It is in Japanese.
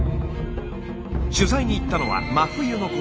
取材に行ったのは真冬のこと。